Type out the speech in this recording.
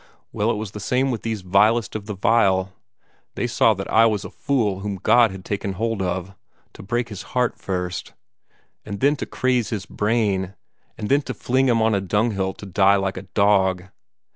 Well, it was the same with these vilest of the vile. They saw that I was a fool whom God had taken hold of, to break his heart first, and then to craze his brain, and then to fling him on a dunghill to die like a dog.